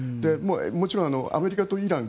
もちろんアメリカとイラン